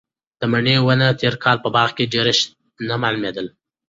د مڼې ونه تېر کال په باغ کې ډېره شنه معلومېدله.